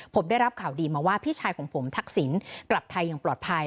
ผมได้รับข่าวดีมาว่าพี่ชายของผมทักษิณกลับไทยอย่างปลอดภัย